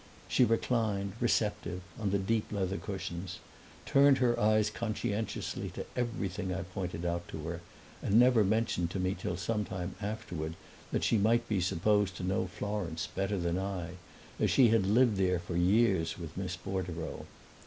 She reclined, receptive, on the deep leather cushions, turned her eyes conscientiously to everything I pointed out to her, and never mentioned to me till sometime afterward that she might be supposed to know Florence better than I, as she had lived there for years with Miss Bordereau.